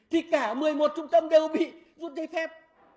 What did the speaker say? thì cả một mươi một trung tâm đều bị rút giấy phép